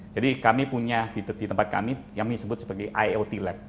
jadi kami punya di tempat kami yang disebut sebagai iot lab